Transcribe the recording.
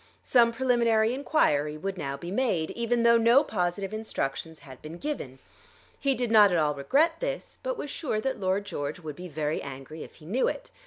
Some preliminary enquiry would now be made, even though no positive instructions had been given. He did not at all regret this, but was sure that Lord George would be very angry if he knew it.